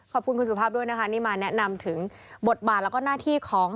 ขอบคุณคุณสุภาพด้วยนะคะนี่มาแนะนำถึงบทบาทแล้วก็หน้าที่ของ